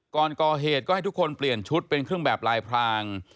ก่อนก่อเหตุก็ให้ทุกคนเปลี่ยนชุดเป็นเครื่องแบบลายพราง